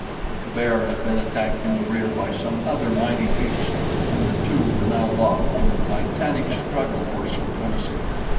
The bear had been attacked in the rear by some other mighty beast, and the two were now locked in a titanic struggle for supremacy.